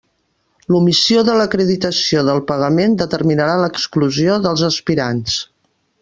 L'omissió de l'acreditació del pagament determinarà l'exclusió dels aspirants.